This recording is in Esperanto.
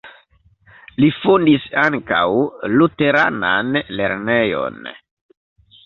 Li fondis ankaŭ luteranan lernejon.